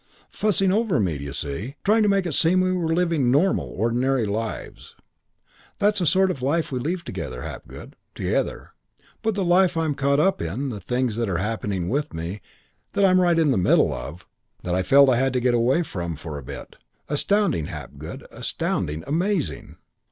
Fussing over me, d'you see? Trying to make it seem we were living normal, ordinary lives. "'That's the sort of life we lead together, Hapgood together; but the life I'm caught up in, the things that are happening with me, that I'm right in the middle of, that I felt I had to get away from for a bit astounding, Hapgood, astounding, amazing....'